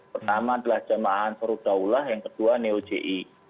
pertama adalah jamaah ansarul daulah yang kedua neo ji